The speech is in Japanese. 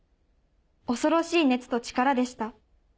「恐ろしい熱と力でした」。